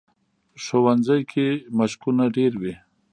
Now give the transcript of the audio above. ښوونځی کې مشقونه ډېر وي